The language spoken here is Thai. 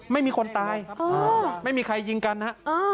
ไม่มีคนตายอ้าวไม่มีใครยิงกันนะอ้าว